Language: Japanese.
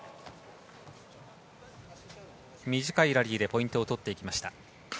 短いラリーでポイントを取っていきました。